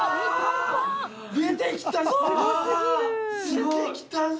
出てきたぞ。